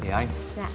dạ em xin